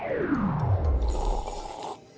jadi bayarnya dari hp aja